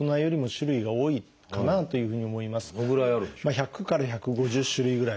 １００から１５０種類ぐらい。